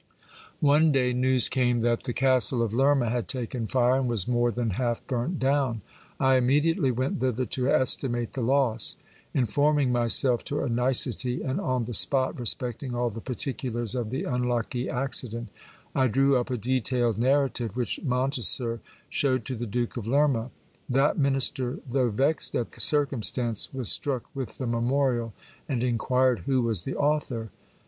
One day news came that the castle of Lerma had taken fire, and was more thin half burnt down. I immediately went thither to estimate the loss. In forming myself to a nicety, and on the spot, respecting all the particulars of the unlucky accident, I drew up a detailed narrative, which Monteser shewed to the Duke of Lerma. That minister, though vexed at the circumstance, was struck with the memorial, and inquired who was the author.